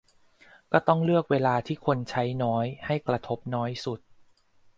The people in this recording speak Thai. ก็ต้องเลือกเวลาที่คนใช้น้อย ให้กระทบน้อยสุด